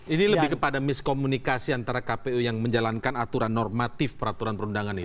ini lebih kepada miskomunikasi antara kpu yang menjalankan aturan normatif peraturan perundangan itu